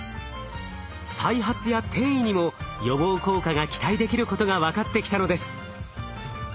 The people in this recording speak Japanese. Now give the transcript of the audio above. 再発や転移にも予防効果が期待できることが分かってきたのです。